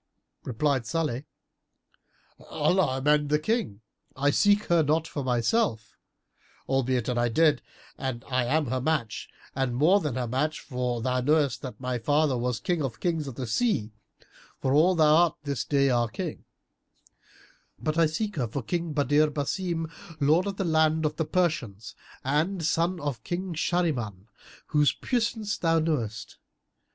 Replied Salih, "Allah amend the King! I seek her not for myself (albeit, an I did, I am her match and more than her match, for thou knowest that my father was King of the Kings of the sea, for all thou art this day our King), but I seek her for King Badr Basim, lord of the lands of the Persians and son of King Shahriman, whose puissance thou knowest.